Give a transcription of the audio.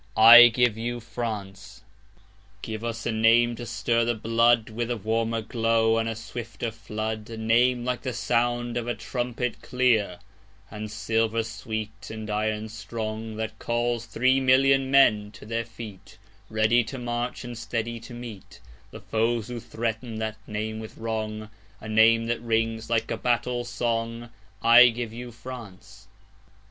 I give you France! Give us a name to stir the bloodWith a warmer glow and a swifter flood,—A name like the sound of a trumpet, clear, And silver sweet, and iron strong, That calls three million men to their feet, Ready to march, and steady to meetThe foes who threaten that name with wrong,—A name that rings like a battle song.I give you France!